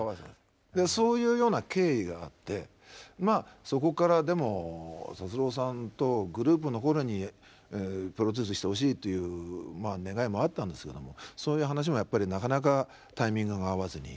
そういうような経緯があってまあそこからでも達郎さんとグループの頃にプロデュースしてほしいという願いもあったんですけどもそういう話もやっぱりなかなかタイミングが合わずに。